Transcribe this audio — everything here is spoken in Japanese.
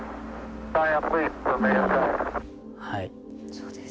そうですね。